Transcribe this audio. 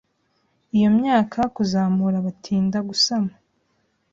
iyo myaka kuzamura batinda gusama